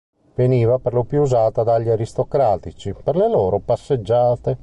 Veniva perlopiù usata dagli aristocratici, per le loro passeggiate.